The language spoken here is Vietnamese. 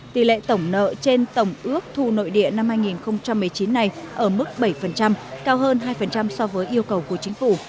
tỷ lệ tổng nợ trên tổng ước thu nội địa năm hai nghìn một mươi chín này ở mức bảy cao hơn hai so với yêu cầu của chính phủ